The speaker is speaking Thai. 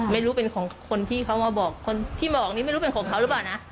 ไม่รู้เป็นของคนที่เขามาบอกคนที่บอกนี้ไม่รู้เป็นของเขาหรือเปล่านะ